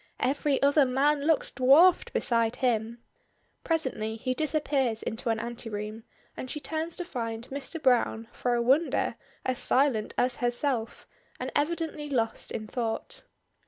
Every other man looks dwarfed beside him. Presently he disappears into an anteroom, and she turns to find Mr. Browne, for a wonder, as silent as herself, and evidently lost in thought.